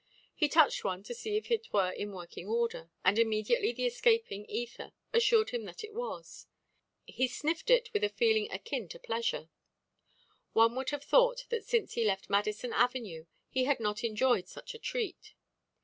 He touched one to see if it were in working order, and immediately the escaping ether assured him that it was. He sniffed it with a feeling akin to pleasure. One would have thought that since he left Madison avenue he had not enjoyed such a treat.